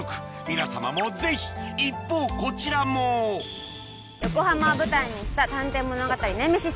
皆様もぜひ一方こちらも横浜を舞台にした探偵物語『ネメシス』。